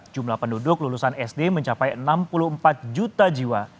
jumlah penduduk lulusan sd mencapai enam puluh empat juta jiwa